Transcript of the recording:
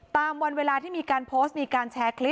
ตามวันเวลาที่มีการโพสต์มีการแชร์คลิป